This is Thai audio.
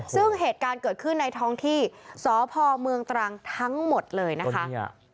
ซึ่งเหตุการณ์เกิดขึ้นในท้องที่สพเมืองตรังทั้งหมดเลยนะคะ